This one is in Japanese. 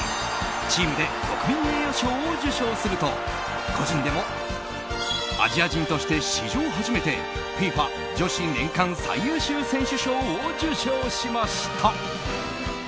チームで国民栄誉賞を受賞すると個人でもアジア人として史上初めてＦＩＦＡ女子年間最優秀選手賞を受賞しました。